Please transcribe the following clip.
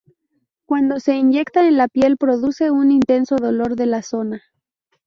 Cuando se inyecta en la piel produce un intenso dolor de la zona.